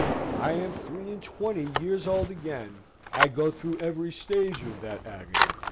I am three and twenty years old again. I go through every stage of that agony.